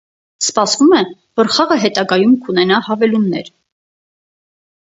Սպասվում է, որ խաղը հետագայում կունենա հավելումմներ։